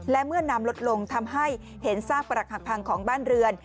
และเมื่อนำลดลงทำให้เห็นซากปรักหักพังของบ้านเรือน